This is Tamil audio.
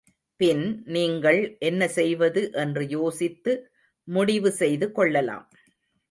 பின் நீங்கள் என்ன செய்வது என்று யோசித்து முடிவு செய்து கொள்ளலாம்.